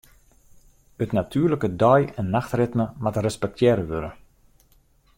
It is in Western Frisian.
It natuerlike dei- en nachtritme moat respektearre wurde.